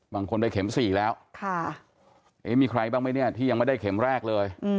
บางคนไปเข็ม๔แล้วมีใครบ้างไหมเนี่ยที่ยังไม่ได้เข็มแรกเลย